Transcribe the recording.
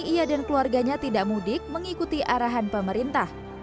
ia dan keluarganya tidak mudik mengikuti arahan pemerintah